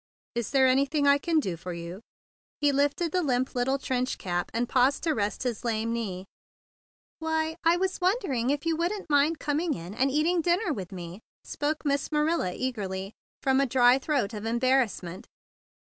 "Is there anything I can do for you?" ITe lifted the limp little trench cap, and paused to rest his lame knee. "Why, I was wondering if you would mind coming in and eating din¬ ner with me," spoke Miss Manila eagerly from a dry throat of embarrass¬ ment.